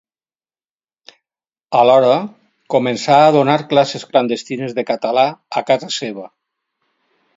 Alhora, començà a donar classes clandestines de català a casa seva.